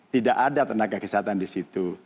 tidak ada tenaga kesehatan di situ